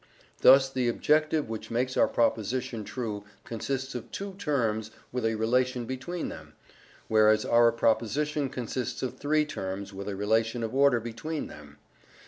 Thus the objective which makes our proposition true consists of TWO terms with a relation between them, whereas our proposition consists of THREE terms with a relation of order between them.